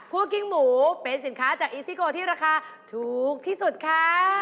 กิ้งหมูเป็นสินค้าจากอีซิโกที่ราคาถูกที่สุดค่ะ